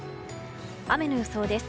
雨の予想です。